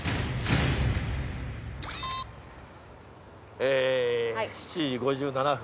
え７時５７分。